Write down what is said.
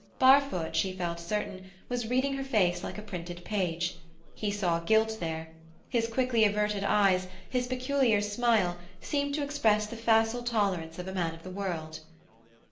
Barfoot, she felt certain, was reading her face like a printed page; he saw guilt there; his quickly averted eyes, his peculiar smile, seemed to express the facile tolerance of a man of the world.